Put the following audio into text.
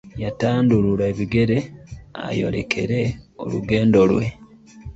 Yatandulula ebigere ayolekere olugendo lwe.